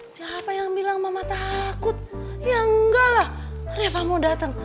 siapa yang bilang mama takut ya enggak lah reva mau datang